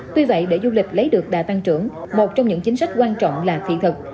tuy vậy để du lịch lấy được đà tăng trưởng một trong những chính sách quan trọng là thiện thực